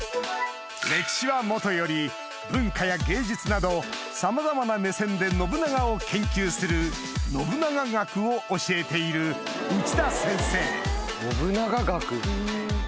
歴史はもとより文化や芸術などさまざまな目線で信長を研究する信長学を教えている内田先生信長学？